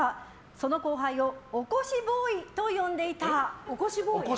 その後輩を起こしボーイと呼んでいた。